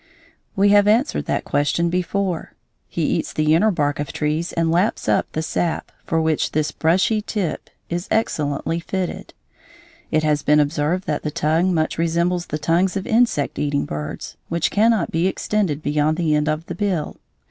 We have answered that question before: he eats the inner bark of trees and laps up the sap, for which this brushy tip is excellently fitted. It has been observed that the tongue much resembles the tongues of insect eating birds, which cannot be extended beyond the end of the bill.